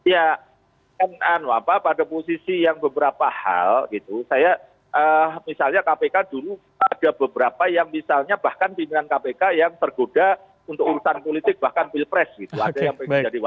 ya pada posisi yang beberapa hal gitu saya misalnya kpk dulu ada beberapa yang misalnya bahkan pindahan kpk yang tergoda untuk urusan politik bahkan pilpres gitu